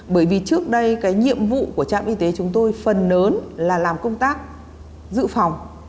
bởi vì trước đây cái nhiệm vụ của trạm y tế chúng tôi phần lớn là làm công tác dự phòng